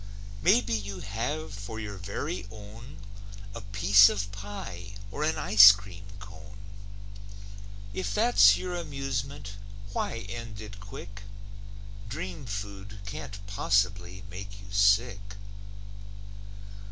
Maybe you have for your very own A piece of pie or an ice cream cone; If that's your amusement, why end it quick? Dream food can't possibly make you sick.